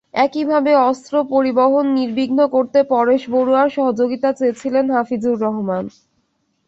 একইভাবে অস্ত্র পরিবহন নির্বিঘ্ন করতে পরেশ বড়ুয়ার সহযোগিতা চেয়েছিলেন হাফিজুর রহমান।